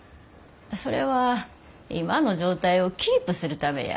それは今の状態をキープするためや。